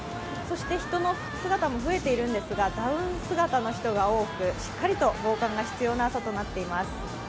人の姿も増えているんですがダウン姿の人が多くしっかりと防寒が必要な寒さとなっています。